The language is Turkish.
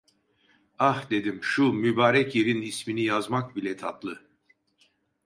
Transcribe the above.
"Ah!" dedim, "Şu mübarek yerin ismini yazmak bile tatlı!"